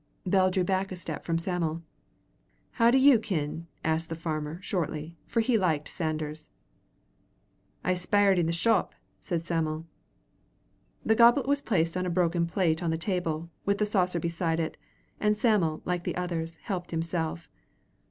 Bell drew back a step from Sam'l. "How do ye kin?" asked the farmer, shortly; for he liked Sanders. "I speired i' the shop," said Sam'l. The goblet was placed on a broken plate on the table, with the saucer beside it, and Sam'l, like the others, helped himself.